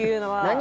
「何？